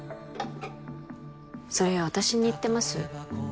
それ私に言ってます？